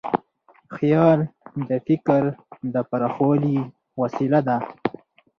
خیال د فکر د پراخوالي وسیله ده.